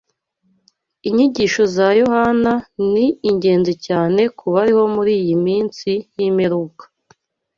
Inyigisho za Yohana ni ingenzi cyane ku bariho muri iyi minsi y’imperuka